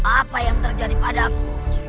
apa yang terjadi padaku